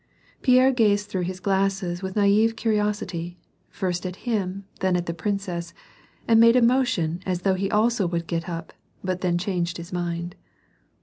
Pierre gazed through his glasses with naive curiosity, first at him then at the princess, and made a motion as though he also would get up, but then changed his mind.